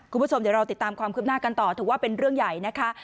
คุณผู้ชมเดี๋ยวเราติดตามความคืบหน้ากันต่อถือว่าเป็นเรื่องใหญ่นะคะ